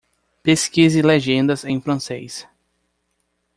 Pesquise legendas em francês.